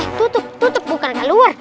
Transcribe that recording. eh tutup tutup bukan ada luar